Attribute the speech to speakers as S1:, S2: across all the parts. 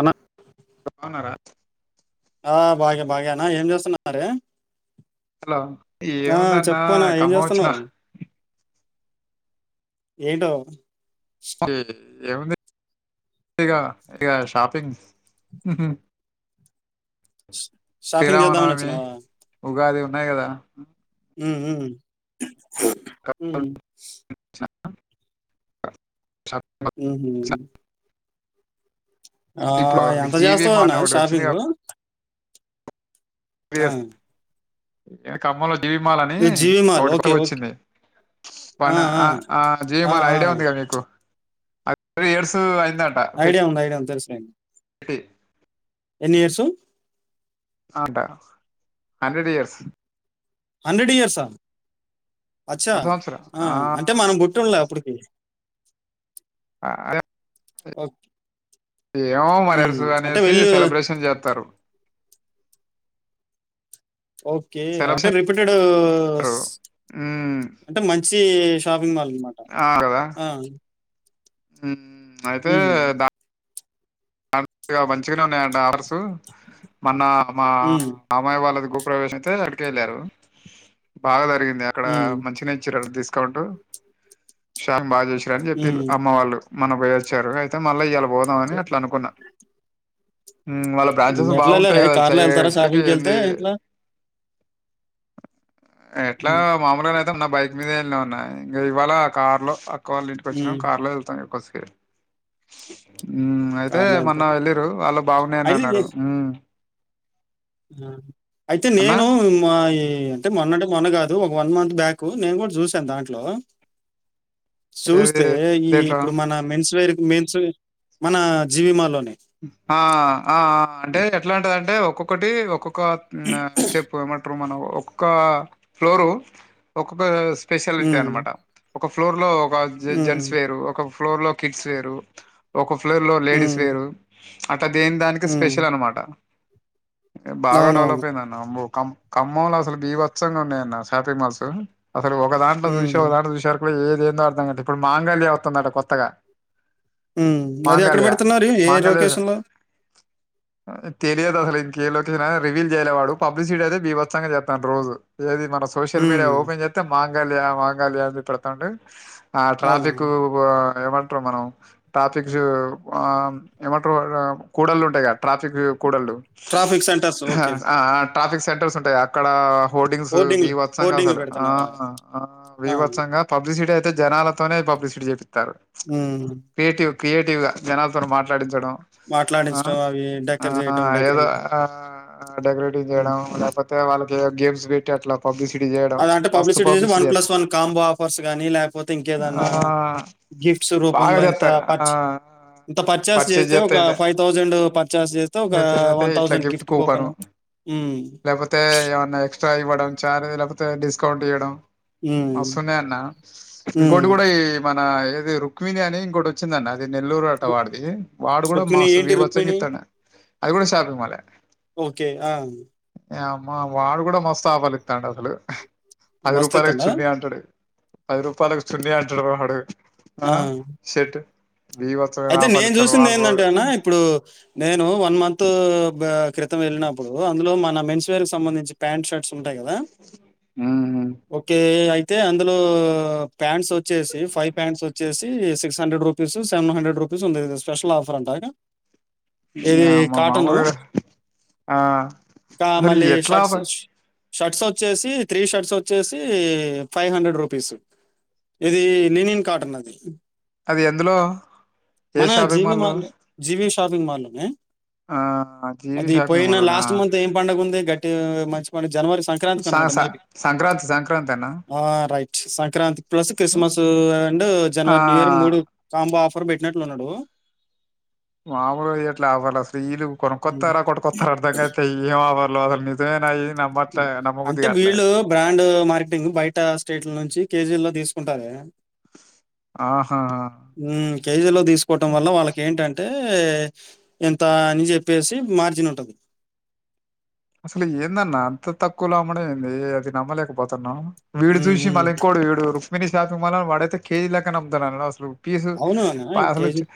S1: అలా
S2: అవున్నారా
S1: ఆ బాగాే బాగాేనా ఏం చేస్తున్నార
S2: అసలో ఏముందన్నా
S1: చెప్పనా ఏం
S2: కమ్మవచ్చిన
S1: చేస్తున్నావు ఏంటో
S2: స ఏముంది ఇక ఇక షాపింగ్
S1: ష్- షాపింగ్ చేద్దామని
S2: తిరామనవమి
S1: వచ్చినావా
S2: ఉగాది చెన్న కదా
S1: ఉ హ
S2: షాపింగ్
S1: ఆ
S2: వచ్చిన.
S1: ఆ
S2: ఇప్పుడు
S1: ఎంత
S2: జీవి
S1: చేస్తాదన్న
S2: మాల్ ఒకటి వచ్చింది
S1: షాపింగ్ ఆ
S2: ఎకు అమ్మలు వచ్చ జీవిమాల్ అని
S1: ఇది జీవి మాల్ ఓకే
S2: ఒకటిత్తకు
S1: ఓకే
S2: వచ్చింది ప
S1: ఆ ఆ ఆ
S2: జీవిమాల్
S1: ఆ
S2: ఐడియా ఉంది కదా మీకు అ ఎడ్ స
S1: ఐడియా ఉ ఐడియా అంత తె స
S2: ఇ
S1: స
S2: అంటా హండ్రెడ్ ఇయర్స్
S1: హండ్రెడ్ ఇయర్స్ం అచ్చా
S2: వంద సంవత్సరం
S1: ఆ అంటే మనం బుట్టిండలే అప్పటికి [inaudible]
S2: అ [unintelligible]
S1: ఓకె
S2: ఏమో మరసు అనేసి సెలబ్రేషన్ చేత్తారు
S1: ఓకే
S2: సెలబ్రేషన్
S1: అంటే రిపీటెడ్
S2: రు
S1: స్..
S2: మ్మ్
S1: అంటే మంచీ షాపింగ్ మాల్ మాట ఆ
S2: మ్.. అయితే దా అ మంచి మంచిగానే ఉన్నాయంట ఆర్డర్స్ మొన్న మా
S1: హ్మ్
S2: మామయ్య వాళ్ళది గు ప్రవేశం అయితే అడిక వెళ్ళారు బాగా జరింది అక్కడ
S1: హ్మ్
S2: మంచి నేచర్ తీసుకు శం బ [unintelligible] రన్ చేత్తెఎల్లు
S1: హ్మ్.
S2: అమ్మ వాళ్ళు మొన్న పోయి వచ్చారు అయితే మళ్ళ ఇయాలా పోదామని అట్ల ఉన్నార్ మ్... వాళ్ళ బ్రాంచెస్
S1: ఎట్లా ఎళ్లారే?
S2: బావుంటయి కదా చై
S1: కార్‌లో ఎళ్తారా
S2: ఇప్పటికి
S1: షాపింగ్‌కెళ్తే
S2: ఏంది
S1: ఎట్లా?
S2: ఎట్లా
S1: హ్మ్.
S2: మామూలునే మొత్తం నా బైక్ మీద వెళ్ళాం అన్నాయి ఇంకా ఇవాళ ఆ కార్ లో అ కావాల ఇంటికి వచ్చినం
S1: హ్మ్.
S2: కార్లో వెళ్తాం ఎ మ్... అయితే
S1: కార్‌లో
S2: మొన్న
S1: ఎళ్తారు.
S2: వెళ్ళిరు వాళ్ళ బాగున్నాయని
S1: అయితే ఏ
S2: అన్నారు
S1: అయితే
S2: అన్న
S1: నేను మా ఈ అంటే మొన్నంటే మొన్న కాదు ఒక వన్ మంత్ బ్యాక్ నేను కూడా చూసాను దాంట్లో
S2: ఏది
S1: చూస్తే ఈ
S2: దేంట్లో
S1: ఇప్పుడు మన మెన్స్ వేర్ మెన్స్ మన జీవిమాలోనే
S2: ఆ ఆ అంటే ఎట్లాంటదింటే ఒక ఒక్కొక్కటి ఒకొక్కొ క స్టెప్ మెట్రో మన ఒ ఒక్క ఫ్లోరు ఒక్కొక్క స్పెషాలిటీ
S1: హ్మ్.
S2: అనమాట ఒక ఫ్లోర్ లో ఒక
S1: హ్మ్.
S2: జెన్స్ వేరు ఒక ఫ్లోర్ లో కిడ్స్ వేరు ఒక ఫ్లోర్ లో లేడీస్
S1: హ్మ్.
S2: వేరు త దేందానికి
S1: హ్మ్.
S2: స్పెషల్ అనమాట బాగ
S1: అవునవును.
S2: డెవలప్ అయిందన్న అమ్మొ కం ఖమ్మంలో అసలు బీభచ్చంగా ఉన్నయన్న షాపింగ్ మాల్సు అసలు ఒకదాంట్లో చూశి
S1: హ్మ్.
S2: ఒకదాంట్లో చూశేవరక్ ఇప్పుడు ఏదేందో అర్థంకావట్లే ఇప్పుడు మాంగళ్య ఒత్తుందంట కొత్తగ
S1: హ్మ్ అది ఎక్కడ పెడుతున్నారు ఈ ఏ
S2: మాంగళ్య
S1: లోకేషన్లో
S2: తెలియదు అసలు ఇంకేలొకేషన్ అ రివీల్ చేయలే వాడు పబ్లిసిటీ అయితే బీబచ్చంగా చేత్తాండు రోజు ఏది మన సోషల్ మీడియా
S1: హ్మ్.
S2: ఓపెన్ చేత్తే మాం గల్య మాంగల్య అని చూపెడతాండు ఆ ట్రాఫికు
S1: అవునవును.
S2: ఓ ఏమంట్రు మనం ట్రాపిక్స్ ఆ ఏమంట్రు ఆ కూడళ్ళుంటయి కదా ట్రాఫిక్ కుడళ్ళు
S1: ట్రాఫిక్ సెంటర్స్ ఓకే.
S2: ఆ ట్రాఫిక్ సెంటర్స్ ఉంటయి కదా అక్కడ హోర్డింగ్స్
S1: హోర్డింగ్‌లు
S2: భీబత్సంగ
S1: హోర్డింగ్‌లు
S2: అసలు ఆ
S1: బెడుతున్నారా?
S2: ఆ
S1: ఆ!
S2: వీబత్సంగ పబ్లిసిటీ అయి అయితే జనాలతోనే పబ్లిసిటీ చేప్పి త్తారు
S1: హ్మ్.
S2: క్రియేటివ్ క్రియేటివ్ గ జనాల్తోని మాట్ లాడించడం ఆ
S1: మాట్లాడించడం అవి
S2: ఆ
S1: డెకర్ జేయటం
S2: ఏదో
S1: డెకరింగ్.
S2: ఆ డెకరేటివ్
S1: హ్మ్.
S2: చేయడం లేక్పోతే వాళ్ళు ఏదో గేమ్స్ బెట్టి అట్ల
S1: అలా అంటే పబ్లిసిటీ చేసి one plus one combo offers కానీ లేకపోతే
S2: ఆ
S1: ఇంకేదన్నా గిఫ్ట్స్
S2: బాగా
S1: రూపంలో ఇంత
S2: చేస్తారు ఆ
S1: పచ్ ఇంత పర్చేస్
S2: పర్చేజ్
S1: జేస్తే ఒక
S2: చేస్తతే
S1: పర్చేస్ జేస్తే ఒక
S2: ఇట్లా గిఫ్ట్ కూపను
S1: హ్మ్.
S2: లేకపోతే ఏమన్నా ఎక్స్ట్రా ఇవ్వడం చార్జ్ లేకపోతే డిస్ స్కౌంట్ ఇయ్యడం
S1: హ్మ్.
S2: మస్సున్నయన్నా ఇంకోటి
S1: హ్మ్.
S2: కూడా ఈ మన ఏది రుక్మిణి అని ఇంకోటొచ్చిందన్న ఇది నెల్లూరుట
S1: రు
S2: వాడిది వాడు కూడ
S1: రుక్మిణి
S2: మాస్
S1: ఏంటి
S2: వీబచ్చంగ
S1: 'రుక్మిణి'?
S2: ఇత్తాండే అది గూడ షాపింగ్మాలే
S1: ఓకే ఆ
S2: ఏ అమ్మా వాడు కూడా మస్తు ఆపర్లిత్తాండ అప్పుడు పది
S1: మస్త్
S2: రూపాలే యి
S1: ఇతనా?
S2: చున్నీ అంటడే పది రూపాయలకి చున్నీ అంటాడు మావాడు ఆ సెట్ భీభత్సమైన ఆఫర్లు
S1: త్
S2: వాడు
S1: ఏందంటే అన్నా ఇప్పుడు నే నువు వన్ మంతు బా క్రితం ఎళ్ళినప్పుడు అందులో మనం మెన్ చుయల్ సంబంధించి ప్యాంట్షర్ట్స్ ఉంటాయి కదా ఓకే అయి అయితే అందులో ప్యాంట్స్ వచ్చేసి ఫైవ్ ప్యాంట్స్ వచ్చేసి six hundred rupees seven hundred rupees ఉంటది స్పెషల్ ఆఫర్ అంట
S2: నీ
S1: ఇది
S2: అమ్మ
S1: కాటను.
S2: మామూలే
S1: కా
S2: అరే
S1: మళ్ళీ
S2: ఎట్లా
S1: షర్ట్స్
S2: రా
S1: షర్ట్స్ వచ్చేసి త్రీ షర్ట్స్ వచ్చేసి ఫైవ్ హండ్రెడ్ రూపీస్ ఇది లినిన్ కాటన్ అది
S2: అది ఎందులో
S1: మన జీవి మాల్ లో జీవిస్ షాపింగ్ మాల్ లోనే
S2: ఆ జీవి
S1: అది
S2: షాపింగ్
S1: పోయిన
S2: మాల్ లోనా
S1: లాస్ట్ మంత్ ఏం పండగ ఉంది గట్టి టే మంచి పని జనవరి సంక్రాంతికి అనుకుంటా మేబి
S2: సంక్రాంతి సంక్రాంతి అన్న
S1: ఆ right Sankranti plus Christmas and
S2: ఆ
S1: జనవరి న్యూఇయర్ కి మూడు కాంబో ఆఫ ఎట్లున్నాడు
S2: మామలుగా ఇవ్వట్లే ఆఫర్లు అస్సల్ ఈళ్ళు
S1: హ్మ్.
S2: కొనుకొత్తార కొట్కొత్తార అర్థం కావట్లే ఇయేం ఆఫర్ లోగల్ నిజమేనాయి
S1: అంటే వీళ్ళు బ్రాండు మార్కెటింగ్ బయట స్టేట్ల నుంచి కేజీ ల్లో తీసుకుంటారే
S2: ఆహా
S1: మ్ కేజీల్లో తీసుకోవటం వల్ల వాళ్ళకి ఏంటంటే ఏ ఎంత అని చెప్పేసి మార్జిన్ ఉంటది
S2: అసలు ఏందన్నా అంత తక్కువలో అమ్మడం ఏంది అది నమ్మలేకపోతున్నాము వీడ్
S1: హ్మ్.
S2: జూషి
S1: హ్మ్.
S2: మల్కోడు ఏడురుఫ్ మీ [unintelligible] తు మల వాడైతే కేజీలెక్కన అమ్ముతున్నాడనా అసలు పీసు
S1: అవును అన్న కేజీ
S2: పార్సలొచ్చె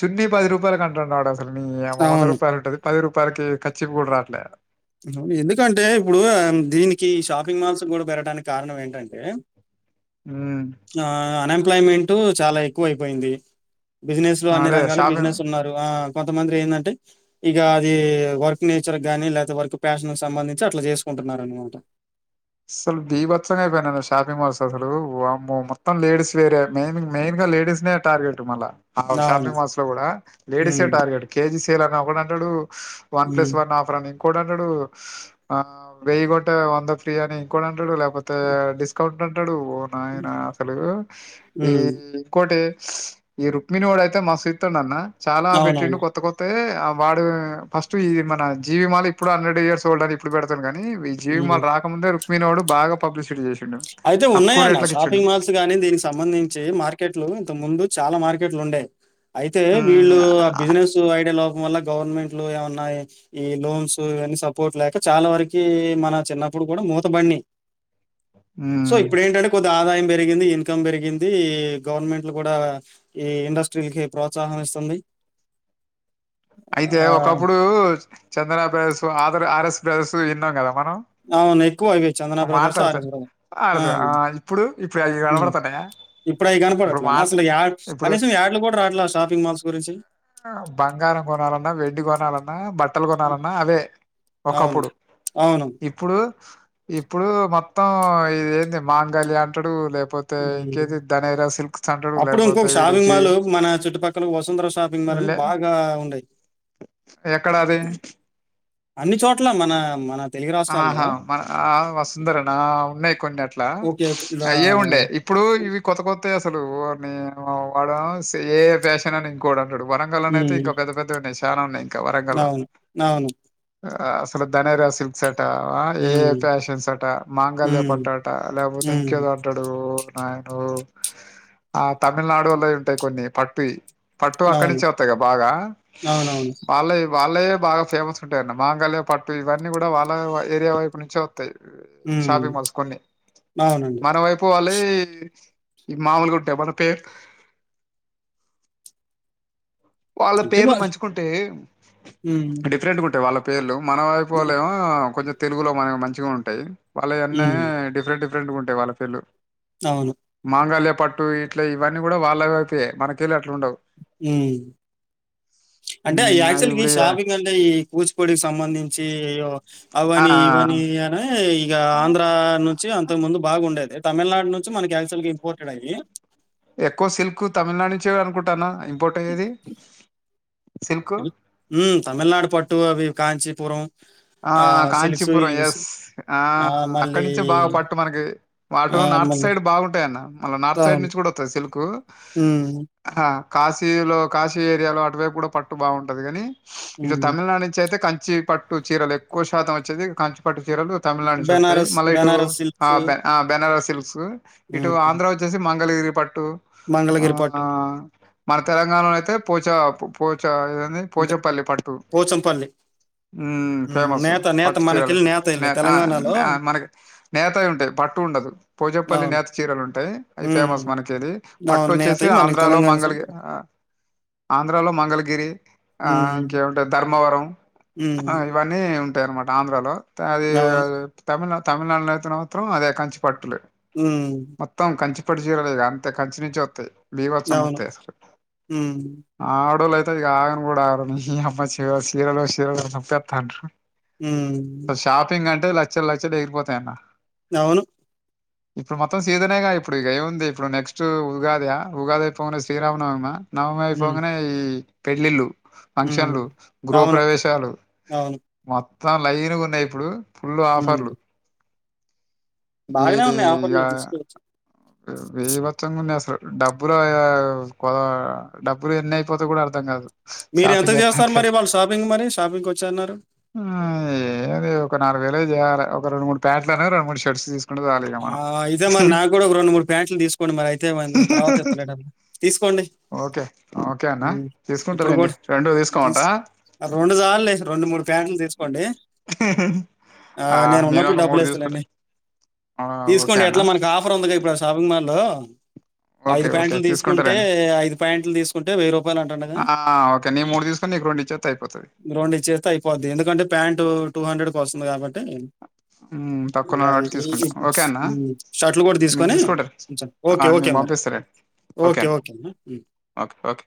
S2: చున్నీ పది రూపాయల కంటాండాడస ఓర్ నీ యమ్మ వంద
S1: అవును.
S2: రూపాయలుంటది పది రూపా పర్ కే [unintelligible] చిప్పుకుడ రాట్లే
S1: వు ఎందుకంటే ఇప్పుడు దీని కి షాపింగ్ మాల్స్ కూడా పెరడానికి కారణం ఏంటంటే ఆ అన్ఎంప్లాయ్మెంట్ టు చాలా ఎక్కువ అయిపోయింది బిజినెస్ లో అన్ని
S2: అదే
S1: రంగాలు బిజినెస్
S2: షాపింగ్
S1: ఉన్నారు ఆ కొంతమంది ఏంటంటే ఇక అది వర్క్ నేచర్ కాగానీ లేపోతే వర్క్ ప్యాషన్ సంబంధించి అట్లా చేసుకుంటున్నారు అనమాట
S2: అసలు భీభచ్చంగా అయిపోయినయ్ షాపింగ్ మాల్స్ అసలు వామ్మో మొత్తం లేడీస్ వేరే మెయిన్ మెయిన్ గా లేడీస్ నే టార్గెట్ మళ్ళా
S1: అవును.
S2: షాపింగ్ మాల్స్ లో కూడా లేడీసే
S1: హ్మ్.
S2: టార్గెట్ కేజి అని ఒకడంటాడు వన్
S1: హ్మ్.
S2: ప్లస్ వన్ ఆఫరని కోడంటడు ఆ వెయ్యి కొంటే వంద ఫ్రీ అని ఇంకోడం పాడు లేకపోతే డిస్కౌంట్ [unintelligible] ట్ అంటాడు పో నాయన అసలు ఈ
S1: హ్మ్.
S2: ఇంకోటి ఈ రుక్మిణి ఓడయితే మాసు ఇతుండన్న చాలా పెట్టిండు
S1: అవునవును.
S2: కొత్త కొత్తయి వాడు ఫస్ట్ ఇది మన జీవిమాల ఇప్పుడు హండ్రెడ్ ఇయర్స్ ఓల్డ్ అని ఇప్పుడు పెడతాను కదనీ [inaudible] జీవి
S1: హ్మ్.
S2: మాల్ రా రుక్మిణివాడు బాగా పబ్లిసిటీ చేసి
S1: అయితే ఉన్నాయన్న షాపింగ్ మాల్స్ గాని దీనికి సంబంధించి మార్కెట్లు ఇంత ముందు చాలా మార్కెట్లు ఉండేయి అయితే వీళ్ళు ఆ బిజినెస్ ఐడియా లో వల్ల గవర్నమెంట్లు ఏమన్నాయి ఈ లోన్స్ ఇవన్నీ సపోర్ట్ లేక చాలా వరకి మన చిన్నప్పుడు కూడా మూతబడినయ్ సో
S2: ఉమ్.
S1: ఇప్పుడు ఏంటంటే కొ ఆదాయం పెరిగింది ఇన్కం పెరిగింది గవర్నమెంట్లు కూడా ఈ ఇండస్ట్రీ కి ప్రోత్సాహం ఇస్తుంది
S2: అయితే
S1: ఆహ్,
S2: ఒకప్పుడు Chandana brothers, R RS brothers విన్నాం. కదా మనం
S1: అవును ఎక్కువ ఇవి చందన బ్రదర్స్,
S2: మాట్లాడతా
S1: ఆర్ఎస్ బ్రదర్స్. ఆ!
S2: అ ఇప్పుడు ఇప్పుడు అ కనబడతానాయా
S1: అట్లా అసలు కనీసం యాడ్స్ యాడ్లు కూడా రావాట్లే షాపింగ్ మాల్స్ గురించి
S2: బంగారం కొనాలన్నా, వెండి కొనాలన్నా బట్ బట్టలు కొనాలన్నా అదే
S1: అవును.
S2: ఒకప్పుడు
S1: అవును.
S2: ఇప్పుడు ఇప్పుడు మొత్తం ఇది ఏంది మాంగాల్య అంటాడు. లేక్
S1: అప్పుడు
S2: లేకపోతే
S1: ఇంకొక
S2: వీడు
S1: షాపింగ్
S2: జీ
S1: మాల్ మన చుట్టుపక్కల వసుంధర షాపింగ్ మాల్ అని
S2: లే
S1: బాగా ఉండేయి.
S2: ఎక్కడా అది
S1: అన్ని చోట్ల మన మన తెలుగు రాష్ట్రాల్లో
S2: ఆహా మన ఆ వసుంధరనా ఉన్నాయి. కొన్ని అట్లా
S1: ఓకే. గా
S2: అ ఏముండే ఇప్పుడు ఇవి కొత్త కొత్త అసలు వాని వాడ ఏ ఫ్యాషన్ అని ఇంకోడా వరంగల్ అయితే
S1: హ్మ్.
S2: ఇంకా పెద్ద పెద్ద న చాలా ఉన్నాయ్
S1: అవును అవును
S2: ఆ అసలు దనేరాసి ఆ ఏఏ
S1: హ్మ్.
S2: ఫ్యాషన్స్ అట, మాంగళ్యా
S1: హ్మ్.
S2: పట్టు లేకపోతే
S1: హ్మ్.
S2: ఇంకేదో అంటాడు. ఫ్యాంటు ఆ తమిళనాడోళ్లయ్ ఉంటాయి. కొన్ని పట్టుయి పట్టు
S1: అవును.
S2: అక్కడించి వత్తాయి. బాగా
S1: అవునవును.
S2: వాళ్ళయే వాళ్ళవే బాగా ఫేమస్ ఉంటాయట. మాంగళ్య పట్టు ఇవన్నీ కూడా వాళ్ళ అ ఏరియా వైపు నుంచి వత్తయ్
S1: హ్మ్.
S2: షాపింగ్ మాల్స్ కొన్ని
S1: అవునండి.
S2: మనం అయిపోవాలి. ఇవి మామూలుగా ఉంటాయి. మన పెక్ వాళ్ళ
S1: అంటే
S2: పేర్లు
S1: వాళ్ళు
S2: మంచికుంటే
S1: హ్మ్.
S2: డిఫరెంట్గా ఉంటాయి. వాళ్ళకు పేర్లు మనవాయిపోలేం కొంచం తెలుగులో మనకి మంచిగా ఉంటాయి. వాళ్ళ అన్నే
S1: హ్మ్.
S2: డిఫరెంట్ డిఫరెంట్ రెండు ఉంటాయి. వాళ్ళ పేర్లు
S1: అవును
S2: మాంగళ్య పట్టు ఇట్లే ఇవన్నీ కూడా వాళ్ళకే మనకెళ్ళ
S1: ఉమ్ అంటే
S2: హ్మ్. ఆహ్,
S1: యాక్చువల్ గా ఈ
S2: ఇప్పుడు ఇగ
S1: షాపింగ్ అంటే ఈ కుచ్ పొడిస్ సంబంధించి
S2: ఆ!
S1: అవ్వని ఇవ్వని అని ఇక
S2: ఆ!
S1: ఆంద్రా నుంచి
S2: ఆ!
S1: అంతకు ముందు బాగుండేది. తమిళనాడు నుంచి మన యాక్చువల్గా ఇంపోర్టెడ్ అవి
S2: ఎక్కువ సిల్క్ తమిళనాడు నుంచే అనుకుంటాన్న సిల్కు.
S1: తమి ఊ తమిళనాడు పట్టు అవి కాంచి పురం
S2: ఆ కాంచీపురం ఎస్ ఆ
S1: ఆహ్,
S2: అక్కడి
S1: మళ్ళీ
S2: నుంచే బాగా పట్టు మనకి వాటు
S1: ఆహ్,
S2: నార్త్
S1: మళ్ళీ
S2: సైడ్ బాగుంటాయి అన్న మళ్ళ నార్త్ సైడ్
S1: అవును.
S2: నుంచి కూడా వస్తుంది సిల్క్
S1: హ్మ్.
S2: హా కాశీలో కాశీ ఏరియాలో అటువైపు కూడా పట్టు బాగుంటది కానీ ఇటు
S1: హ్మ్.
S2: తమిళనాడు నుంచియితే కంచ ంచి పట్ చీరలు ఎక్కువ శాతం వచ్చేది. కంచి పట్టు చీరలు తమిళనాడు నుంచత్తాయి
S1: బెనారస్,
S2: మళ్ళ ఇటు
S1: బెనారస్
S2: ఆ
S1: సిల్క్స్
S2: ఆ బెనారస్ ల్క్స్ ఇటు
S1: హ్మ్.
S2: ఆంధ్ర వచ్చేసి మన్ ంగలగిరిపట్టు ట్టు
S1: మంగళగిరి
S2: ఆహా
S1: పట్టు.
S2: మన తెలంగాణ అయితే పోచ పోచ ఆ ఇదేంది
S1: అంతే
S2: పోచంపల్లి పట్టు
S1: పోచంపల్లి.
S2: ఊ
S1: హ్మ్.
S2: ఫేమస్
S1: నేత, నేత
S2: పట్టు
S1: మనకెళ్ళి
S2: చీరలకి
S1: ఎళ్ళి
S2: నేత
S1: తెలంగాణలో
S2: ఆ మనకి నేతవి ఉంటాయి పట్టు ఉండదూ పోచంపల్లి
S1: అవును.
S2: నేత చీరలు ఉంటాయి అవి
S1: హ్మ్.
S2: ఫేమస్ మనకది పట్టు
S1: అవును
S2: వచ్చేసి
S1: నేతయి మనకి
S2: ఆంధ్రాలో
S1: తెలంగాణ సైడ్
S2: మంగళగి ఆంధ్రాలో మంగళగిరి ఆ
S1: హ్మ్.
S2: ఇంకేముంటాయ్ ధర్మవరం ఆ
S1: హ్మ్.
S2: ఇవన్నీ ఉ ఉంటాయనమాట ఆంధ్రాలో అది అ
S1: అవును.
S2: తమిలాన్ తమిళనాడులో అయితేనే మాత్రం అదే కంచి పట్టులే
S1: హ్మ్.
S2: మొత్తం కంచి ఇప్పటి చీరలేగా అంతే కంచ నుంచి వస్తాయి.
S1: అవును.
S2: బివత్సంగత్తాయి అసలు
S1: హ్మ్.
S2: ఆడోల్లు అత్తాయి ఆగను కూడా ఆగరు ఈ అమ్మాయి చీరలో చీరలు అంటారు. తేత్తంట్రు
S1: ఊ
S2: అంతే లక్షలు లక్షడు ఎగిరిపోతయాన్న
S1: అవును
S2: ఇప్పుడు మొత్తం సీజనేగా ఇప్పుడు ఇక ఏముంది ఇప్పుడు నెక్స్ట్ ఉగాద ఉగాది పోను శ్రీరామనవమిమ నవమి
S1: హ్మ్.
S2: అయిపోగానే ఈ పెళ్ళిళ్ళు
S1: హ్మ్.
S2: ఫంక్షన్లు గృహ
S1: అవును.
S2: ప్రవేశాలు
S1: అవును
S2: త్తం లైన్గా ఉన్నాయి ఇప్పుడు ఫుల్లు
S1: హ్మ్.
S2: ఆఫర్లు ఈ
S1: బాగానే ఉన్నాయి
S2: ఇక
S1: ఆఫర్‌లో తీసుకోవచ్చు.
S2: బీభత్సంగా ఉన్నాయ్ అసలు డబ్బులు ఎ ఎ కోదా డబ్బులు ఎన్ని అయిపోతే కూడా అర్థం కాదు
S1: మీరు ఎంత
S2: షాపింగ్
S1: చేస్తారు మరి వాళ్ళ షాపింగ్ మరి షాపింగ్కి వచ్చి
S2: ఊ ఏది ఒక నాలుగు ఐదు ఒక అర రెండూ మూడు పాంట్స్ రెండు మూడు షర్స్ తీసు
S1: ఆ ఇదే మరి నాకు కూడా ఒక రెండు మూడు ప్యాంట్లు తీసుకోండి మరి అయితే తర్వాత ఇత్తలే డబ్బులు తీసుకోండి
S2: ఓకే ఓకే అన్న
S1: ఊ ఇప్పుడు
S2: తీసుకుంటాలేండి
S1: కూడా
S2: రెండు
S1: థిస్
S2: తీసుకోమంటా
S1: ఆ రెండు చాలాలలే రెండు మూడు ప్యాంట్లు తీసుకోండి
S2: ఆ
S1: నేను ఉన్నప్పుడు
S2: ఒక మూడు
S1: డబ్బులు ఇస్తా
S2: తీసుకుంటా
S1: లేండి
S2: ఆ ఓకే
S1: తీసుకోండి
S2: అన్న
S1: ఎట్లా మనకి ఆఫర్ ఉంది ఇప్పుడు ఆ షాపింగ్ మాల్ హలో ఐదు
S2: ఓకే ఓకే
S1: ప్యాంట్లు తీసుకుంటే
S2: తీసుకుంటాలేండి
S1: ఐదు ప్యాంట్లు తీసుకుంటే వెయ్యి రూపాయలు అంటాండ కదా
S2: ఆ ఓకే నేను మూడు తీసుకొని నీకు రెండు ఇచ్చేత్తే అయిపోతది
S1: రెండు ఇచ్చేస్తే అయిపోద్ది ఎందుకంటే ప్యాంట్ టూ హండ్రెడ్ పస్తుంది కాబట్
S2: ఊ తక్కువ నా కాబట్
S1: షర్ట్లు కూడా
S2: మీరు
S1: తీసుకొని
S2: తీసుకుంటారు ఆ
S1: ఓకే ఓకే
S2: నేను
S1: మరి
S2: పంపిస్తాలేండి
S1: okay okay um
S2: okay okay